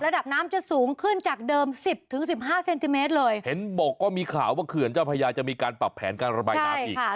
ระดับน้ำจะสูงขึ้นจากเดิมสิบถึงสิบห้าเซนติเมตรเลยเห็นบอกว่ามีข่าวว่าเขื่อนเจ้าพญาจะมีการปรับแผนการระบายน้ำอีกค่ะ